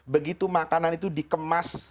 begitu makanan itu dikemas